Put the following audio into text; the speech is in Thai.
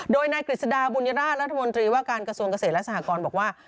โดยนายกฤษฎาบุญราชรัฐมนตรีว่าการกระทรวงเกษตรและสหกรบอกว่า